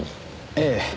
ええ。